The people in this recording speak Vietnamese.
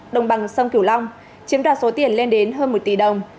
đồng bằng sông kiểu long chiếm đoạt số tiền lên đến hơn một tỷ đồng